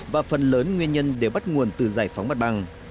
và phần lớn nguyên nhân đều bắt nguồn từ giải phóng mặt bằng